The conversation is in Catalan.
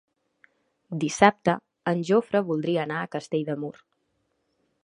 Dissabte en Jofre voldria anar a Castell de Mur.